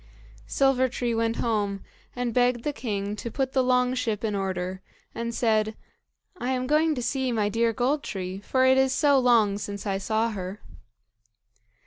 Silver tree went home, and begged the king to put the long ship in order, and said, "I am going to see my dear Gold tree, for it is so long since I saw her."